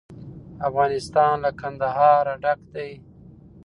افغانستان له کندهار ډک دی.